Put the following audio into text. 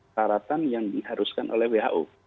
syaratan yang diharuskan oleh who